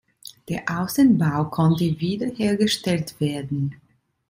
Der Außenbau konnte wiederhergestellt werden.